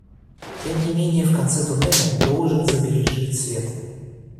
Тем не менее в конце туннеля должен забрезжить свет.